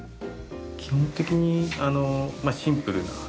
基本的にシンプルな。